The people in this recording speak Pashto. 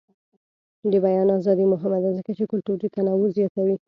د بیان ازادي مهمه ده ځکه چې کلتوري تنوع زیاتوي.